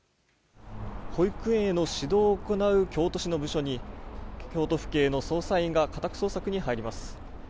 保育園への指導を行う京都市の部署に京都府警の捜査員が家宅捜索に入ります。